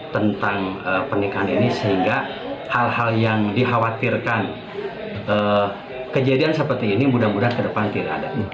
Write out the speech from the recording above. tentang pernikahan ini sehingga hal hal yang dikhawatirkan kejadian seperti ini mudah mudahan ke depan tidak ada